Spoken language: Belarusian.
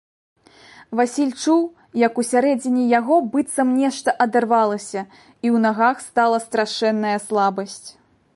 Васіль чуў, як усярэдзіне яго быццам нешта адарвалася і ў нагах стала страшэнная слабасць.